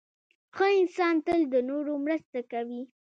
• ښه انسان تل د نورو مرسته کوي.